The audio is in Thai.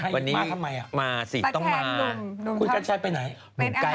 มาทำไมมาสิต้องมาประแทนหนุ่มหนุ่มครับ